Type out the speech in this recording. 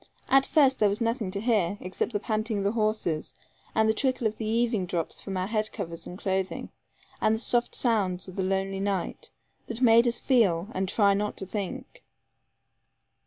At first there was nothing to hear, except the panting of the horses and the trickle of the eaving drops from our head covers and clothing, and the soft sounds of the lonely night, that make us feel, and try not to think.